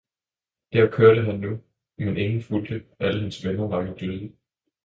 Der kørte han nu, men ingen fulgte, alle hans venner var jo døde.